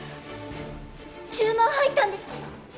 注文入ったんですか！？